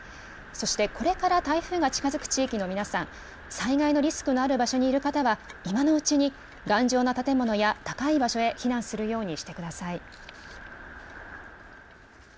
そして、これから台風が近づく地域の皆さん、災害のリスクのある場所にいる方は今のうちに、頑丈な建物や高い場所へ避難するようにしてください。